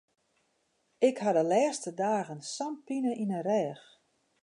Ik ha de lêste dagen sa'n pine yn de rêch.